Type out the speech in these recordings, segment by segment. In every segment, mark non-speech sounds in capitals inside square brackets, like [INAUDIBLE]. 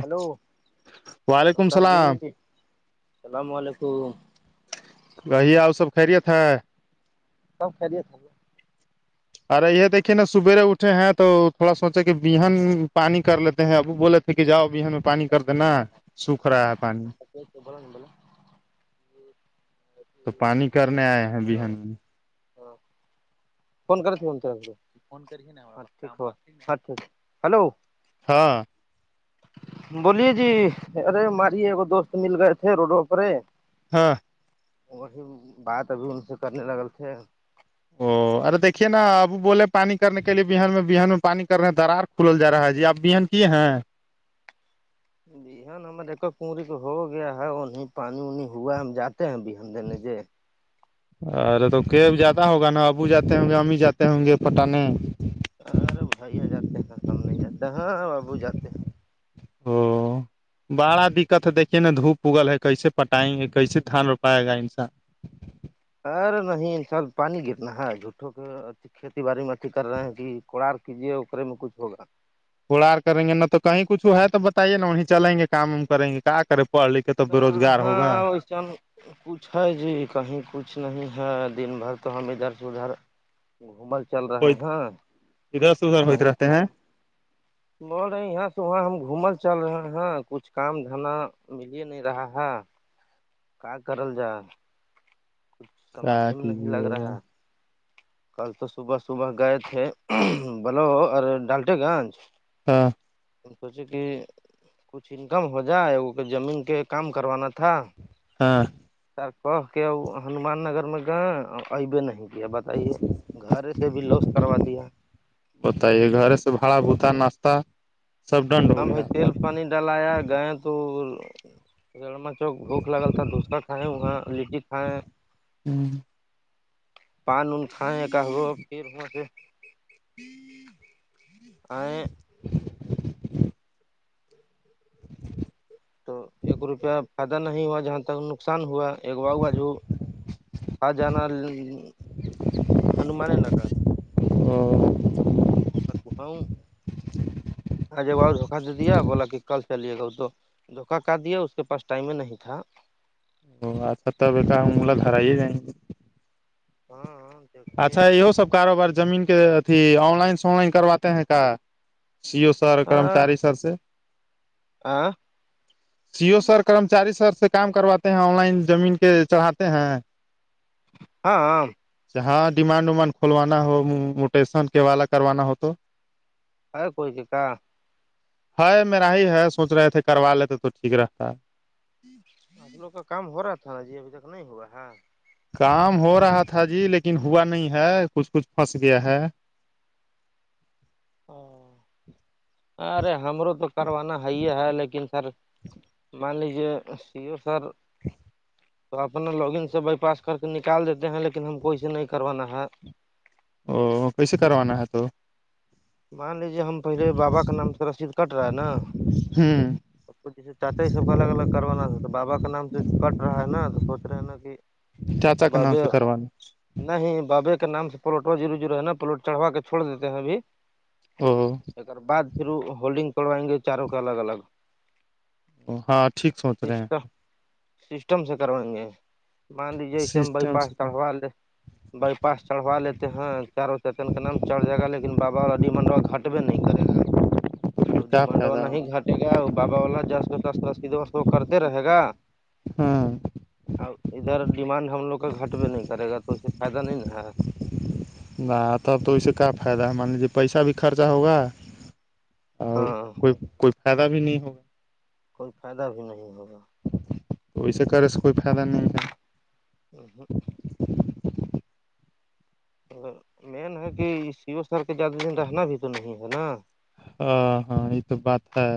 hello وعلیکم نمسکار جی السلام اللام علیکم گہیا ا سب خھرییےت ہے سم خریے تھھی ارے یہ دیکھیے نا سویرے اٹھے ہیں تو تھوڑا سوچے کہ بہن پانی کر لیتے ہیں ابو بولے لے کے جاؤ بھی ہمیں پانی کر دینا سوکھ رہا ہے پانی تو پانی کرنے آئے ہیں بہن میں ہاں فون کر ف کراچا اچھا اچا ہلو ہاں بولیے جی ارے ہماریے ایکگ دوست مل گئے تھے روڈوں پر ہاں اور ہی بات ابھی ان سے کرنے لگل تھے او ارے دھیے نا ابو بولے پانی کرنے کے لیے بان میں بہان میں پانی کرنے درار کھل جا جی اب بہان کی ہاں بہان ہماریک کوری کو ہو گیا ہے وہیں پانی وانی ہوا ہے ہم جاتے ہیں بہان ان د نجے ارے تو کیب زیادہ ہوگا نا ابو جاتے ہوں گے امی جاتے ہوں گے پٹانے ارے بھائیا جاتے ہیں ہم نہیں جاتے ہاں بابو جاتے ہیں او بڑا دقت ہے دیکھیے نا دھوپ اگل ہے کیسے پٹائیں گے کیسے دھان روپائے گا انسان ارے نہیں ان شاء پانی گرنا ہے جھوٹوں کے ا کھیتی باڑی میں اھی کر رہے ہیں کہ کوڑاار کیجیے اکے میں کچھ ہوگا پڑار کریں گے نہ تو کہیں کچھ ہے تو بتائیے نا وہیں چلیں گے کام وم کریں گے کیا کریں پڑھ لکھے تو ہ بے روزگار ہوگا ہاں ویسن کچھ ہے جی کہیں کچھ نہیں ہے دن بھر تو ہم ادھر سے ادھر گھومل چل رہے کوئی ہیں ادھر س ہوئیت کہیں رہتے کچھ ہیں بول رہے یہاں سے وہاں ہم گھومل چل رہے ہیں کچھ کام دھندہ ملے نہیں رہا ہے کیا کرل جائے کچھ کیا سمجھ میں نہیں لگ کیجیے گا رہا ہے کل تو صبح صبح گئے تھے بولو ارے ڈالٹے گنج ہاں ان کو سے کہ کچھ انکم ہو جائے کہ زمین کے کام کروانا تھا ہاں سر کہ کے ہنومان نگر میں گا اب نہیں کیا بتائیے گھر سے بھی لاس کروا دیا بتائیے گھرے سے بھاڑا بھتا ناشہ ہ بھائی تیل پانی ڈالیا گئے تور بھوک لگل تھا دسر کھائے وہاں لٹی کھائے ہوں پان ون کھائیں کہبو پھر وہاں سے [UNINTELLIGIBLE] تو ایک روپیہ فائدہ نہیں ہوا جہاں تک نقصان ہوا ایک واؤ بج ہو آ جانا ہنمان نگا اور آجے ب دھوکہ دے دیا بولا کہ کل چلیے گا تو دھوکا کا دیا اس کے پاس ٹائم نہیں تھا ا اچھا تب ایک ہملہ ہھرائی ہی جائیں گے ہاں اچھا دیکھیے یہ سب کاروبار زمین کے اھی آن لائن سون لائن کرواتے ہیں کا سیو سر ہاں کرمچاری سر سے [UNINTELLIGIBLE] [UNINTELLIGIBLE] سی او سر کرمچاری سر سے کام کرواتے ہیں آن لائن زمین کے چڑھاتے ہیں ہاں ہاں ڈیمانڈ ومانڈ کھولوانا ہو موٹیسن کے والا کروانا ہو تو ہے کوئی چکا [UNINTELLIGIBLE] ہائے میرا ہی ہے سوچ رہے تھے کروا لیتے تو ٹھیک رہتا ہے [UNINTELLIGIBLE] آپ لوگ کا کام ہو رہا تھا نا جی ابھی تک نہیں ہوا ہے کام ہو رہا تھا جی لیکن ہوا نہیں ہے کچھ کچھ پھنس گیا ہے او ارے ہمرو تو کروانا ہے ہی ہے ہے لیکن سر مان لیجیے سی ا سر تو اپنا لاگ ان سے بائی پاس کر کے نکال دیتے ہیں لیکن ہم کو اسے نہیں کروانا ہے او پسے کران تو [UNINTELLIGIBLE] مان لیجیے ہم پہلے بابا کے نام سے رسید کٹ رہا ہے نا ھمم جیسے چاچا ہی سب کو الگ الگ کروانا تھا تو بابا کا نام تو کٹ رہا ہے نا تو سوچ رہے ہیں نا کہ چاچا کے نام بابے سے کروان نہیں بابے کے نام سے پلٹ و جرو جر ہے نا پلوٹ چڑوا کے چھوڑ دیتے ہیں ابھی [UNINTELLIGIBLE] ھمم بد پھر وہ ہولڈنگ کروائیں گے چاروں کے الگ الگ ہاں ٹھیک سوچ رہے ہیں سسٹم سسٹم سے کروائیں گے مان لیجیے اسسے ہم بائی سسٹم پاس سے چڑھوا لیں بائی پا چڑوا لیتے ہیں چاروں چاچن کا نام چڑھ جائے گا لیکن باباڈی منڈوا گٹبے نہیں کرے گا اب کیا ڈیمانڈ فائدہ وا ہی ہوگا گھٹ گا بابا والا جسر سیدھ کرتے رہے گا [UNINTELLIGIBLE] ہاں [UNINTELLIGIBLE] ا ادھر ڈیمانڈ ہم لوگ کا گھٹ بھیہ نہیں کرے گا تو اس سے فائدہ نہیں نا ہے [UNINTELLIGIBLE] نہ تب تو اس سے کیا فائدہ ہے مان لیجے پیسہ بھی خرچہ ہوگا [UNINTELLIGIBLE] اور ہاں کوئی کوئی فائدہ بھی نہیں ہوگا کوئی فائدہ بھی نہیں ہوگا تو اسیسے کرے سے کوئی فائدہ نہیں ہے ھمم ھمم گر مین ہے کہ سیو سال کے زیادہ دن رہنا بھی تو نہیں ہے نا [UNINTELLIGIBLE] ہ ہاں یہ تو بات ہے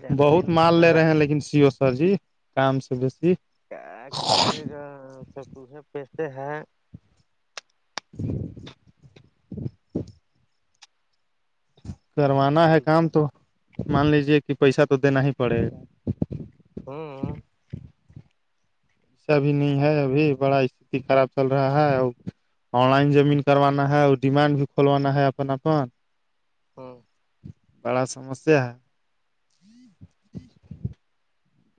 زیادہ دن بہت مال لے رہ رہے ہیں لیکن سیو سر جی کام سے بیسی کیا کیجیے گاے پیسے ہیں [INAUDIBLE] کروانا مان ہے لیجیے کام تو مان لیجیے کہ پیسہ تو دینا ہی پڑے گا ہوں ایسا بھی نہیں ہے ابھی بڑا است خراب چل رہا ہے ا آن لائن جمین کروانا ہے اور ڈیمانڈ بھی کھولوانا ہے اپ اپن [UNINTELLIGIBLE] ہوں [UNINTELLIGIBLE] بڑا سمسیا [UNINTELLIGIBLE]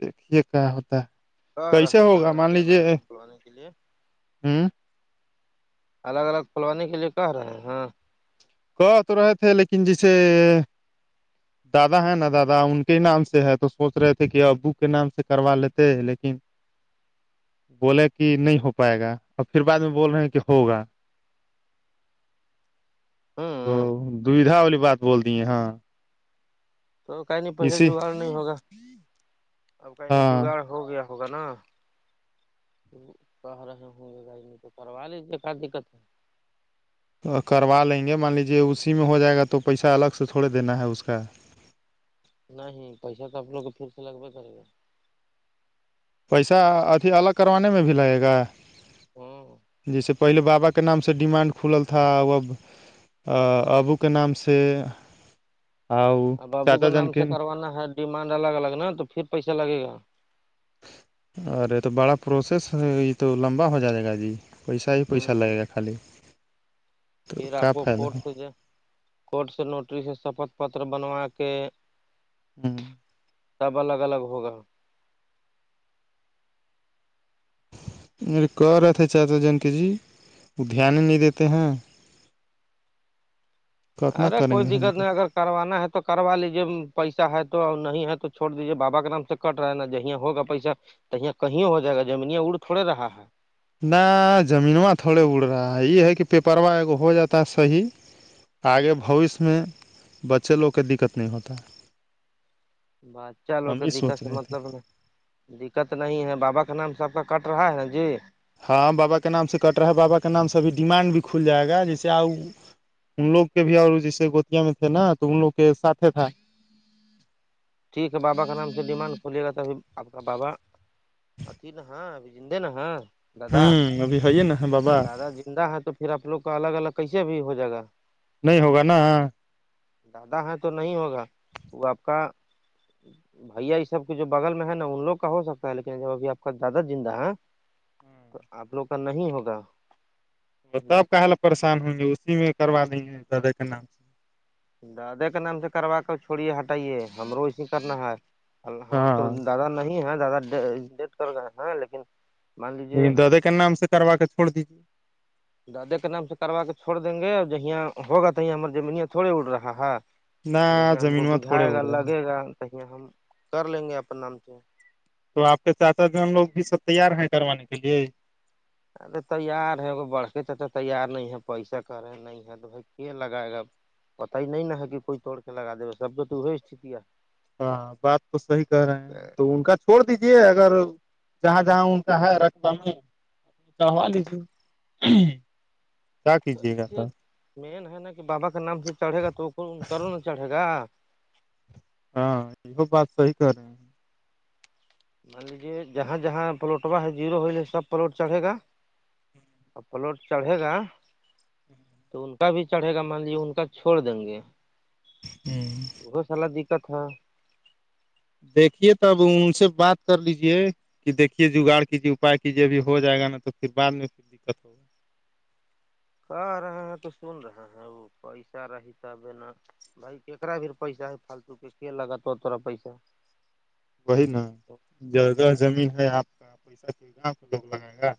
دیکھیے کہ ہوتا ہے [UNINTELLIGIBLE] رہ رہ کیسے ہوگا ہاں کہ الگ الگ کھلوانے کے لیے [UNINTELLIGIBLE] ہوں [UNINTELLIGIBLE] الگ الگ کھلوانے کے لیے کہ رہے ہیں ہاں کہ تو رہے تھے لیکن جیسے [INAUDIBLE] دادا ہے نا دادا ان کے ہی نام سے ہے تو سوچ رہے تھے کہ ابو کے نام سے کروا لیتے لیکن [INAUDIBLE] بولے کہ نہیں ہو پائے گا اور پھر بعد میں بول رہے ہیں کہ ہوگا ہوں ہ دودھا والی بات بول دی ہیں ہاں تو کہیں نہیں پہلے اسی جگاڑ نہیں ہوگا اب کہیں نہیں ہاں جگاڑ ہو گیا ہوگا نا کہہ رہے ہوں گے گھر میں تو کروا لیجیے کا دقت ہے کروا لیں گے مان لیجیے اسی میں ہو جائے گا تو پیسہ الگ سے تھوڑے دینا ہے اس کا نہیں پیسہ تو آ لوگ کو پھر سے لگبے کرے گا پیسہ اھی الگ کروانے میں بھی لگے گا ہوں جیسے پہلے بابا کے نام سے ڈیمانڈ کھلل تھا ا اب ا ابو کے نام سے آ چاچا جنکن نا ہے [UNINTELLIGIBLE] ڈیمانڈ الگ الگ نا تو پھر پیسہ لگے گا ارے تو بڑا پروسیس یہ تو لمبا ہو جائے گا جی پیسا ہی پیسا ہوں لگے گا خالی [UNINTELLIGIBLE] پھر آپ کیا کو فائدہ کورٹ ہو سے کورٹ سے نوٹریس شپت پتر بنوا کے ہوں [UNINTELLIGIBLE] سب الگ الگ ہوگا مے کہ رہے تھے چاچا جن کے جی وہ دھیان ہی نہیں دیتے ہیں کتنا ارے کریں کوئی گے ہم دقت نہیں اگر کروانا ہے تو کروا لیجے پیسہ ہے تو نہیں ہے تو چھوڑ دیجیے بابا کے نام سے کٹ رہا نا جی ہوگا پیسہ تو یہ کہیں ہو جائے گا جمینیا اڑ تھوڑے رہا ہے ن زمینواں تھوڑے اڑ رہا ہے یہ ہے کہ پیپروا ہو جاتا ہے صحیح آگے بھوشیہ میں بچے لوگ کے دقت نہیں ہوتا بات چلو ہم کے یہ دقت سوچ سے رہے تھے مطلب نہیں [UNINTELLIGIBLE] دقت نہیں ہے بابا کے نام سب کا کٹ رہا ہے جی ہاں بابا کے نام سے کٹ رہا ہے بابا کے نام سے ابھی ڈیمانڈ بھی کھل جائے گا جیسے آؤ ان لوگ کے بھی اور جیسے گوتیا میں تھے نا تو ان لوگ کے ساتھے تھا ٹھیک ہے بابا کا نام سے ڈیمانڈ کھلیے گا تھا ابھی آپ کا بابا اھی نا ہاں ابھی زندے نا ہیں دادا ہوں ابھی ہے نا تو بابا دادا زندہ ہے تو پھر آپ لوگ کا الگ الگ کیسے بھی ہو جائے گا نہیں ہوگا نا دادا ہیں تو نہیں ہوگا وہ آپ کا بھیا یہ سب کے جو بغل میں ہے نا ان لوگ کا ہو سکتا ہے لیکن جب ابھی آپ کا زیادہ زندہ ہے تو آپ لوگ کا نہیں ہوگا تب کہ حال پریشان ہوں گے اسی میں کروا نہیںیں دادا کے نام سے دادا کے نام سے کروا کر چھوڑیے ہٹائیے ہمرو ایسے کرنا ہے ہمار تو ہاں دادا نہیں ہیں دادا ڈیٹ کر گئے ہیں لیکن مان لیکن لیجیے دادا کے نام سے کروا کے چھوڑ دیجیے دادے کے نام سے کروا کے چھوڑ دیں گے ج یہیاں ہوگا تویں ہمار زمینیاں تھوڑی اڑ رہا ہے نہ جی ہم کو زمینواں تھوڑے بجھائے گا اڑ رہا ہے لگے گا تیں ہم کر لیں گے اپنا نام چ تو آپ چار چا ہم لوگ بھی سب تیار ہیں کروانے کے لیے ارے تیار ہے ا بڑھک چ تو تیار نہیں ہے پیسا کرے نہیں تو بھائی کی لگائے گا پت ہی نہیں نا ہے کہ کوئی توڑ کے لگا د سب بھی تو استھتی ہے ہاں بات تو صحیح کرہ رہے ہیں تو ان کا چھوڑ دیجے اگر جہاں جہاں ان کا ہے رقبہ میں تووال سے ے مین ہے نا کہ بابا کے نام سے چڑھے گا تو کروں ن چڑھے گا ہاں یہ بات صحیح کر رہے ہیں مان لیجیے جہاں جہاں پلٹوا ہے جیرو ہو سب پلاٹ چڑھے گا ا پلوٹ چڑھے گا تو ان کا بھی چڑھے گا مان لیے ان کا چھوڑ دیں گے ہوں بہت سالا دقت تھا دیکھیے ت اب ان سے بات کر لیجے کہ دیکھیے جگاڑ کیجے اپاائے کیجیے اب ہو جائے گا نا تو پھرعد میں پھر دقت ہوگی کہ رہے ہیں تو سن رہا ہے وہ پیسہ را حساب ہے نا بھائی کیکرا بھیھر پیسہ ہے فالتو کے کی لگات تورا پیسا وہی نا جگہ زمین ہے آپ کا پیسہ کوئی گاؤں کے لوگ لگائے گا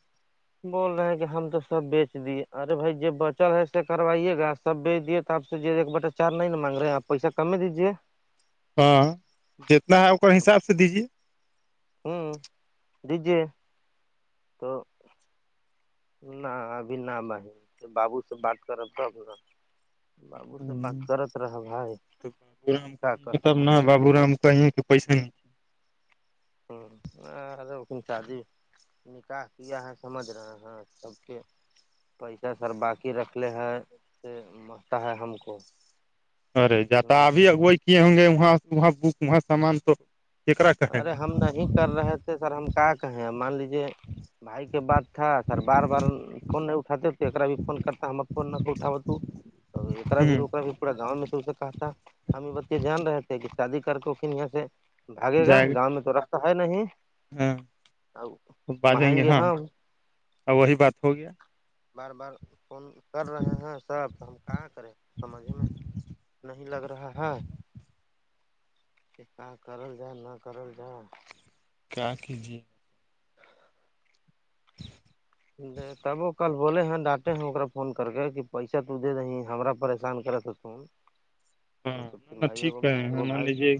بول رہے ہیں کہ ہم تو سب بیچ دیے ارے بھائی جو بچل ہے س کروائیے گاس سب بی بھیج دیے آپ سے جو ایک بٹا چار نہیں ن مانگ رہے آپ پیسہ کم ہی دیجیے ہاں جتنا ہے ا کا حساب سے دیجیے ہوں دیجیے تو نہ ابھی نہ بہ بابو سے بات کرب تب ن بابو سے بات دیجیے کرت رہا بھائی تو بابو رام کیا کر کہیں تب سکتے نا بابو رام کہیں پیسے نہیں ہوںک چ جی نکاح کیا ہے سمجھ رہے ہیں سب کے پیسہ سر باقی رکھ لے ہیں سے مستا ہے ہم کو ارے ج ت ابھی اگوئی کیے ہوں گے وہاںاں بک وہاں سامان تو کیکرا کہے گا ارے ہم نہیں کر رہے تھے سر ہم کیا کہیں ہیں مان لیجے بھائی کے بات تھا سر بار بار فون نہیں اٹاتے توا بھی فون کرتا ہم فون نہ اٹاوت ہوں بھی بھی پورا گاؤں میں سے اس سے کہا تھا ہمیں بت یہ جان رہ تھے کہ شادی کرک کن یہاں سے بھاگے گا گاؤں میں تو رستہ ہے نہیں ہاں ا باجیں گے ماہییںگے ہاں ہم اور وہی بات ہو گیا بار بار فون کر رہے ہیں سرب ہم کہاں کرے سمجھ میں نہیں لگ رہا ہے کپا کرل جا نہ کرل جا کیا کیجیے ج ت وہ کل بولے ہیں ڈانٹے ہیں اا فون کر کے کہ پیسہ تو دے دیں ہما پریشان کرے تو فون [INAUDIBLE] ہاں نہ نہ ٹھیک ہے مان لیجیے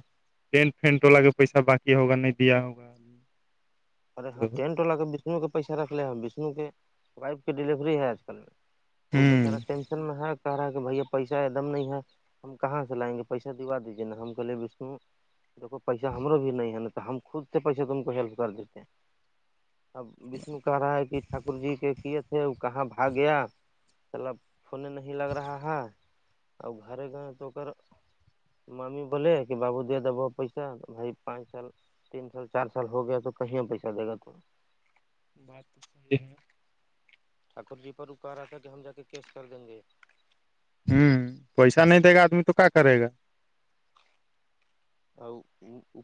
ٹینٹ فینٹو ل کے پیسہ باقی ہوگا نہیں دیا ہوگا ارے ہاں تو ٹینٹ والا کے وشنو کے پیس رکھ لے ہیںاں وشنو کے پائپ کے ڈیلیوری ہے آج کل میں وہ ہوں بےچارا ٹینشن میں ہے کہہ رہا ہے کہ بھیا پیسہ ایک دم نہیں ہے ہم کہاں سے لائیں گے پیسہ دا دیجیے نا ہم کہلے بیشو دیکو پیسہ ہمرو بھی نہیں ہے نا تو ہم خود سے پیسے تم کو ہیلپ کر د اب بشنو کہہ رہا ہے کہ ٹھاکر جی کے کیے تھے وہ کہاں بھاگ گیا چلب فھنے نہیں لگ رہا ہے ا گھرے گ تو مممی بولے کہ بابو دے دب پیسہ بھائی پانچ سال تین سال چار سال ہو گیا تو کہیں پیسہ دے گا تو بات تو صحیح ہے ٹھاکر جی پر اکار آ تھا کہ ہم جا کے کیس کر دیں گے ہوں پیسہ نہیں دے گا آدمی تو کیا کرے گا ا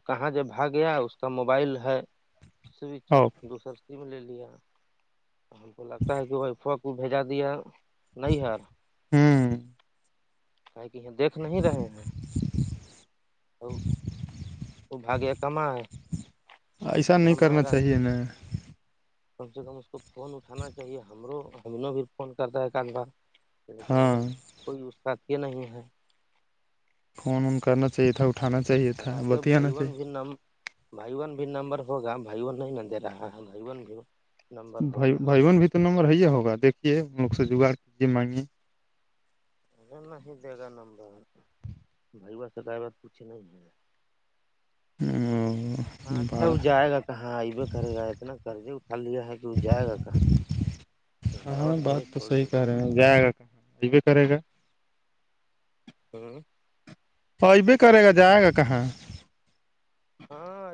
کہاں جب بھاگ گیا اس کا موبائل ہے سوئچ او اور دوسر لے لیا ہم کو لگتا ہے کہ وہ ف کو بھیجا دیا نہیں یار ہوں کہ کہ یہ دیکھ نہیں رہے ہیں تو تو بھاگیہ کما ہے ایسا نہیں سمار کرنا را چاہیے نا کم سے کم اس کو فون اٹھانا چاہیے ہمرو ہمن بھی فون کرتا ہے ایکاند بار لیکن ایک ہاں دم کوئی اس کاد یہ نہیں ہے فون وون کرنا چاہیے تھا اٹھانا چاہیے تھا اللہ کے بت آانا چاہیے بھائیون بھی نم بھائی ون بھی نمبر ہوگا بھائی ون نہیں ن دے رہا ہے بھائی ون بھی نمبر ہوگا بائی بن بھی تو نمبر ہے ہی ہوگا دیکھیے مک سے جگاڑ کیجیے مانگے ا نہیں دے گا نمبر بھائی ب س کہئی بات پوچھھی نہیں ہے گا [INAUDIBLE] ہاں اچھا بڑا وہ جائے گا کہاں ا بھی کرے گا اتنا کر دے اٹا لیا ہے د جائے گا کہ ہروہ ہاں تھوڑے تھھوڑ کے کہ جائے گ کا ج بھی کرے گا ہوں اور بھی کرے گا جائے گا کہاں ہاں